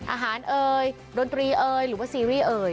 อาหารเอ่ยดนตรีเอ่ยหรือว่าซีรีส์เอ่ย